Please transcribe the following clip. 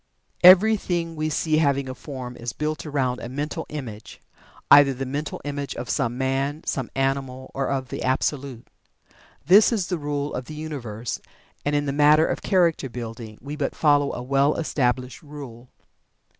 Everything we see having a form is built around a mental image either the mental image of some man, some animal, or of the Absolute. This is the rule of the universe, and in the matter of character building we but follow a well established rule.